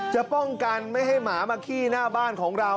จะป้องกันไม่ให้หมามาขี้หน้าบ้านของเรา